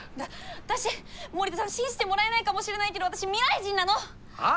私森田さん信じてもらえないかもしれないけど私未来人なの。はあ？